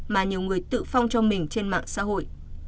mà nhiều người tự phong cho mình trên mạng xã hội